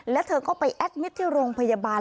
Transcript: แล้วเธอก็ไปแอดมิตรที่โรงพยาบาล